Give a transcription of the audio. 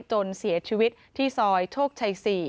จนเสียชีวิตที่ซอยโชคชัย๔